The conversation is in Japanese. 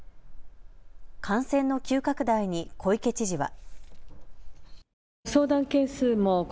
感染の急拡大に小池知事は。